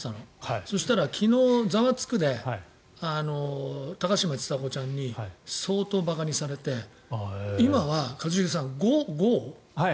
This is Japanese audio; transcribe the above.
そしたら昨日「ザワつく！」で高嶋ちさ子ちゃんに相当馬鹿にされて今は、一茂さんＧＯ？